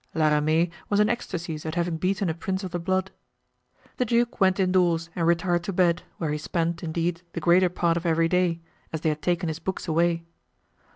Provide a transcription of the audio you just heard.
La Ramee was in ecstasies at having beaten a prince of the blood. The duke went indoors and retired to bed, where he spent, indeed, the greater part of every day, as they had taken his books away.